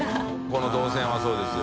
この動線はそうですよ。